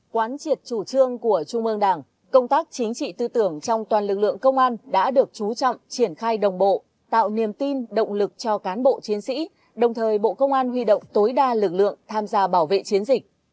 quán triệt chủ trương của trung ương đảng công tác chính trị tư tưởng trong toàn lực lượng công an đã được chú trọng triển khai đồng bộ tạo niềm tin động lực cho cán bộ chiến sĩ đồng thời bộ công an huy động tối đa lực lượng tham gia bảo vệ chiến dịch